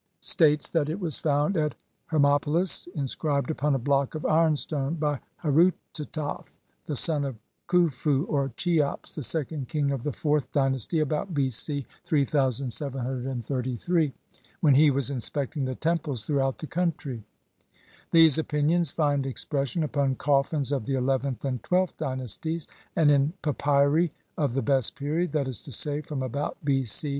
118, 119) states that it was "found" at Hermopolis, inscribed upon a block of ironstone, by Herutataf (the son of Khufu or Cheops, the second king of the IVth dynasty, about B. C. 3733), when he was inspecting the temples throughout XLVIII INTRODUCTION. the country. These opinions find expression upon coffins of the eleventh and twelfth dynasties and in papyri of the best period, that is to say, from about B. C.